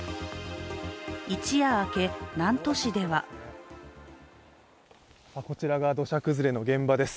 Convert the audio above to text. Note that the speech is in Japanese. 一夜明け、南砺市ではこちらが土砂崩れの現場です。